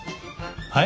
はい？